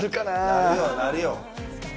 なるよなるよ。